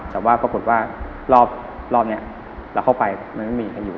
แต่ว่าปรากฏว่ารอบนี้เราเข้าไปมันไม่มีกันอยู่